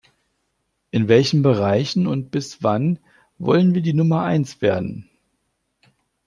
In welchen Bereichen und bis wann wollen wir die Nummer Eins werden?